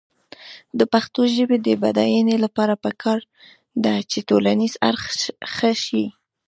د پښتو ژبې د بډاینې لپاره پکار ده چې ټولنیز اړخ ښه شي.